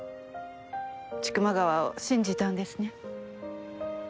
千曲川を信じたんですね。